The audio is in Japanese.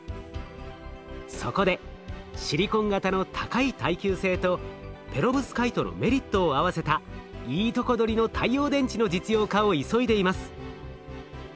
そこでシリコン型の高い耐久性とペロブスカイトのメリットを合わせたいいとこ取りの太陽電池の実用化を急いでいます。